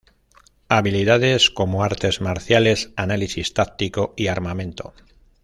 Habilidades como artes marciales, análisis táctico y armamento.